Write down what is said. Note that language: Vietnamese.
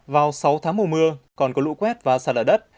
vào sáu tháng mùa mưa còn có lũ quét và sạt lở đất